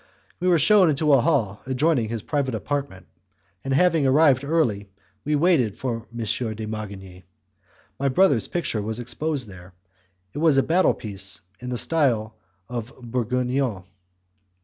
We were shewn into a hall adjoining his private apartment, and having arrived early we waited for M. de Marigny. My brother's picture was exposed there; it was a battle piece in the style of Bourguignon.